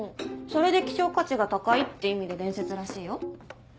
それで希少価値が高いって意味で伝説らしいよ。